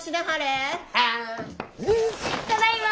ただいま。